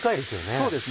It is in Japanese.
そうですね